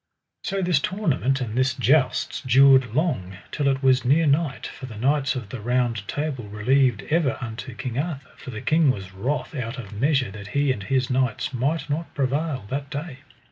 So this tournament and this jousts dured long, till it was near night, for the knights of the Round Table relieved ever unto King Arthur; for the king was wroth out of measure that he and his knights might not prevail that day.